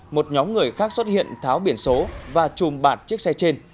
một nhóm người khác xuất hiện tháo biển số và chùm bạt chiếc xe trên